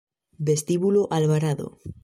Vestíbulo Alvarado